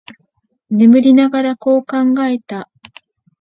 登りながら、こう考えた。